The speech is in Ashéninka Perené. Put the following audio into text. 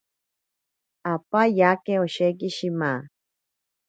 Apa yake osheki shima.